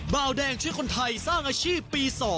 บาวแดงช่วยคนไทยสร้างอาชีพปี๒